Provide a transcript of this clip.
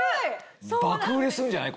爆売れするんじゃない？